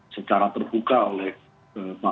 secara terbuka oleh pak